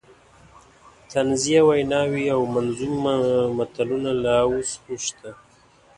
طنزیه ویناوې او منظوم متلونه لا اوس هم شته.